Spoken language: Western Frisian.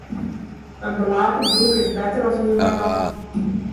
In belape broek is better as ien mei gatten.